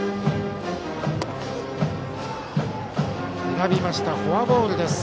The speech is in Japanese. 選びました、フォアボールです。